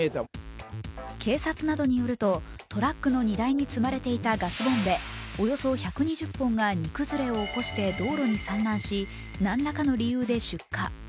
警察などによるとトラックの荷台に積まれていたガスボンベおよそ１２０本が荷崩れを起こして道路に散乱しなんらかの理由で出火。